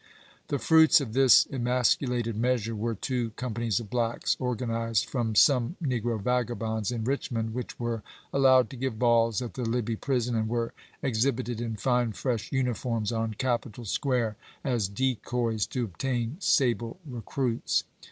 The fruits of this emasculated measure were two companies of blacks, organized f I'om some negi'o vagabonds in Richmond, which were allowed to give balls at the Libby Prison and were exhib ited in fine fresh uniforms on Capitol Square as decoys to obtain sable recruits.